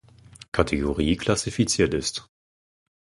Kategorie klassifiziert ist.